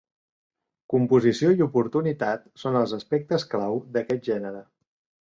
Composició i oportunitat són els aspectes clau d'aquest gènere.